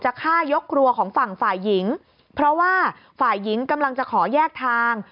ฆ่ายกครัวของฝั่งฝ่ายหญิงเพราะว่าฝ่ายหญิงกำลังจะขอแยกทาง